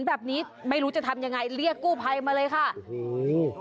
แบบนี้ไม่รู้จะทำยังไงเรียกกู้ภัยมาเลยค่ะโอ้โห